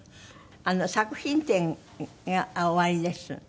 作品展がおありです。